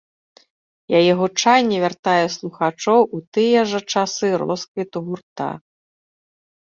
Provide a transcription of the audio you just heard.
Яе гучанне вяртае слухачоў у тыя жа часы росквіту гурта.